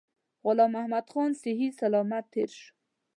غلام محمدخان صحی سلامت تېر شو.